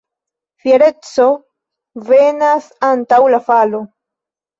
Fiereco venas antaŭ la falo.